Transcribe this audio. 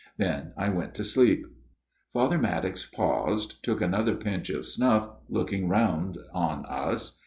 Then I went to sleep." Father Maddox paused, took another pinch of snuff, looking round on us.